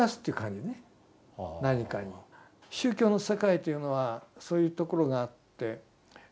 宗教の世界というのはそういうところがあって。